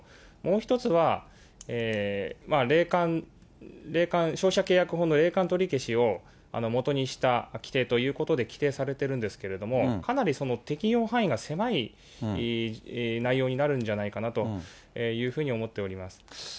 もう一つは消費者契約法の霊感取り消しをもとにした規定ということで、規定されてるんですけれども、かなり適用範囲が狭い内容になるんじゃないかなというふうに思っております。